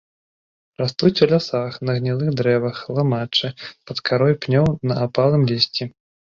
Растуць у лясах, на гнілых дрэвах, ламаччы, пад карой пнёў, на апалым лісці.